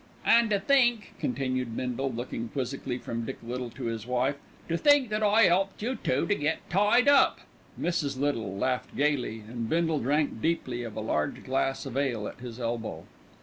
"An' to think," continued Bindle, looking quizzically from Dick Little to his wife, "to think that I 'elped you two to get tied up." Mrs. Little laughed gaily, and Bindle drank deeply of a large glass of ale at his elbow.